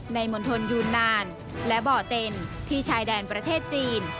มณฑลยูนานและบ่อเต็นที่ชายแดนประเทศจีน